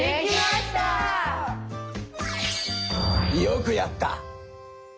よくやった！